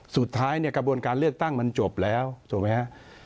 สุดท้ายเนี่ยกระบวนการเลือกตั้งมันจบแล้วถูกไหมฮะ